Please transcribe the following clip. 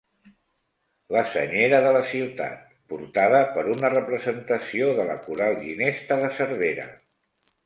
La Senyera de la Ciutat, portada per una representació de la Coral Ginesta de Cervera.